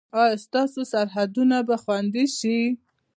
ایا ستاسو سرحدونه به خوندي شي؟